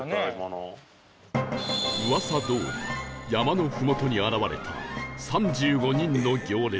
噂どおり山のふもとに現れた３５人の行列